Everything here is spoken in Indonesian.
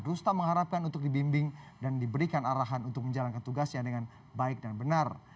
rustam mengharapkan untuk dibimbing dan diberikan arahan untuk menjalankan tugasnya dengan baik dan benar